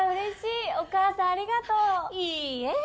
いいえ。